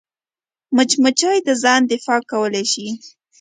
مچمچۍ د ځان دفاع کولی شي